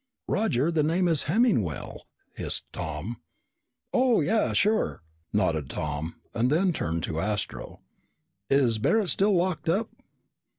"Roger, the name is Hemmingwell," hissed Tom. "Oh, yeah, sure," nodded Roger, and then turned to Astro. "Is Barret still locked up?"